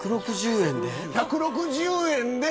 １６０円で。